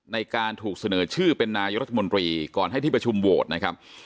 ในการถูกเสนอชื่อเป็นนายรัฐมนตรีก่อนให้ที่ประชุมโหวตนะครับ